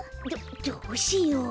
どどうしよう。